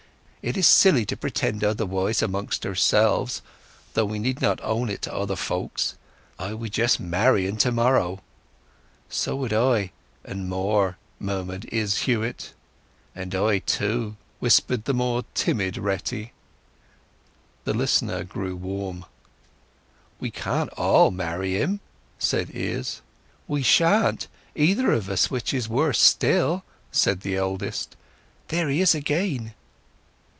"It is silly to pretend otherwise amongst ourselves, though we need not own it to other folks. I would just marry 'n to morrow!" "So would I—and more," murmured Izz Huett. "And I too," whispered the more timid Retty. The listener grew warm. "We can't all marry him," said Izz. "We shan't, either of us; which is worse still," said the eldest. "There he is again!"